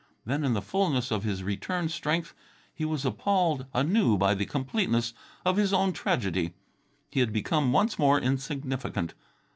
Then, in the fulness of his returned strength, he was appalled anew by the completeness of his own tragedy. He had become once more insignificant.